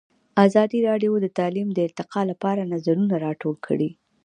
ازادي راډیو د تعلیم د ارتقا لپاره نظرونه راټول کړي.